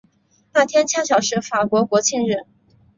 那天恰巧是法国国庆日。